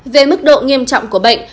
về mức độ nghiêm trọng của bệnh